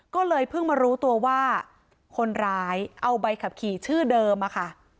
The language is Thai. ก็เลยเพิ่งมารู้ตัวว่าคนร้ายเอาใบขับขี่ชื่อเดิมอะค่ะ